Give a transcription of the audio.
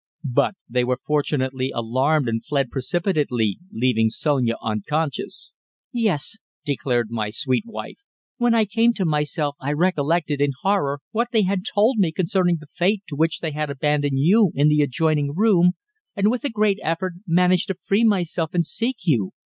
But they were fortunately alarmed and fled precipitately, leaving Sonia unconscious." "Yes," declared my sweet wife. "When I came to myself I recollected, in horror, what they had told me concerning the fate to which they had abandoned you in the adjoining room, and with a great effort managed to free myself and seek you.